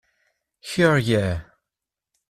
Hear Ye!